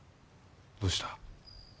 どうした。